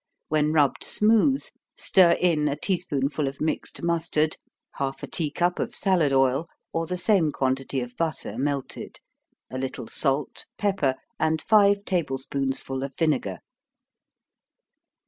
When rubbed smooth, stir in a tea spoonful of mixed mustard, half a tea cup of salad oil, or the same quantity of butter melted, a little salt, pepper, and five table spoonsful of vinegar.